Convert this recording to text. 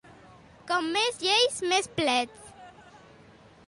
Com més lleis, més plets.